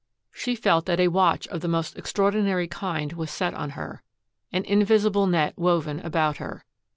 She felt that a watch of the most extraordinary kind was set on her, an invisible net woven about her.